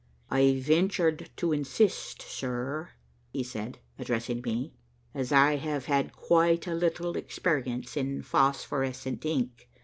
"I ventured to insist, sir," he said, addressing me, "as I have had quite a little experience in phosphorescent ink.